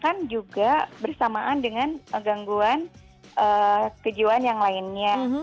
bahkan juga bersamaan dengan gangguan kejiwaan yang lainnya